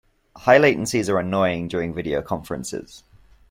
High latencies are annoying during video conferences.